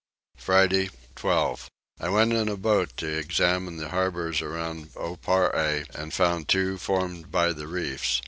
Friday 12. I went in a boat to examine the harbours about Oparre and found two formed by the reefs.